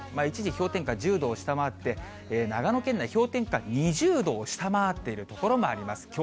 一時氷点下１０度を下回って、長野県内、氷点下２０度を下回っている所もあります。